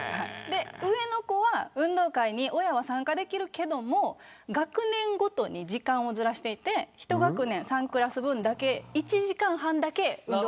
上の子は運動会に親は参加できるけども学年ごとに時間をずらしていて１学年３クラス分だけ。